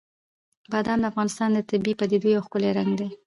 بادام د افغانستان د طبیعي پدیدو یو ښکلی رنګ دی.